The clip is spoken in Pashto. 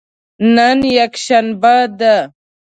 نن یکشنبه ده